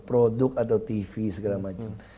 produk atau tv segala macam